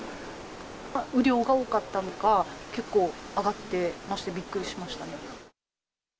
雨量が多かったのか、結構、上がってましてびっくりしましたね。